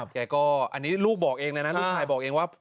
แกก็อันนี้ลูกบอกเองเลยนะลูกชายบอกเองว่า